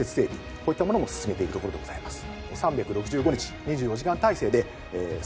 こういったものも進めているところでございます。